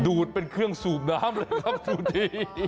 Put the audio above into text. ดูดเป็นเครื่องสูบน้ำเลยครับดูที